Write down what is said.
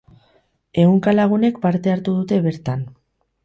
Ehunka lagunek parte hartu dute bertan.